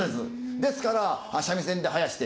ですから三味線ではやして。